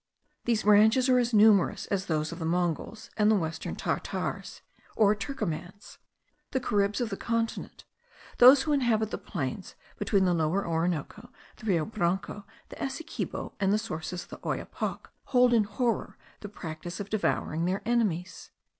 These branches are as numerous as those of the Mongols, and the western Tartars, or Turcomans. The Caribs of the continent, those who inhabit the plains between the Lower Orinoco, the Rio Branco, the Essequibo, and the sources of the Oyapoc, hold in horror the practice of devouring their enemies.